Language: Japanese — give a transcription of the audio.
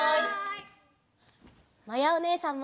まやおねえさんも。